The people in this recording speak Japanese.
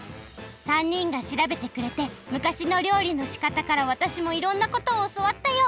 ３にんがしらべてくれて昔の料理のしかたからわたしもいろんなことをおそわったよ。